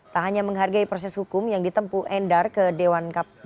tak hanya menghargai proses hukum yang ditempu endar ke dewan keamanan